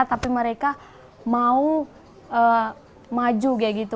tapi mereka mau maju kayak gitu